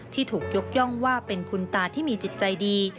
ที่ถูกยกย่องว่าเป็นคุณตาที่มีจิตใจดี